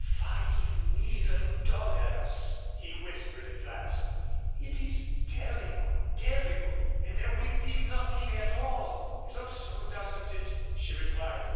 "Five million dollars!" he whispered at last. "It is terrible terrible. And there will be nothing at all." "It looks so, doesn't it?" she replied.